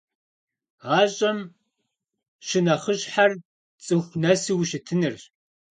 ГъащӀэм щынэхъыщхьэр цӀыху нэсу ущытынырщ.